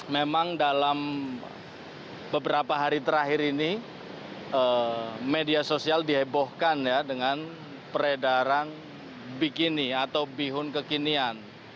memang dalam beberapa hari terakhir ini media sosial dihebohkan ya dengan peredaran bikini atau bihun kekinian